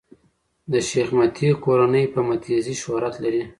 د شېخ متی کورنۍ په "متي زي" شهرت لري.